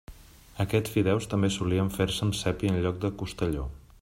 Aquests fideus també solien fer-se amb sépia en lloc de costelló.